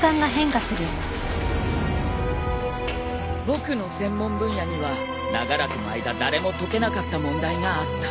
僕の専門分野には長らくの間誰も解けなかった問題があった。